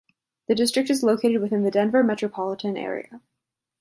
The district is located within the Denver metropolitan area.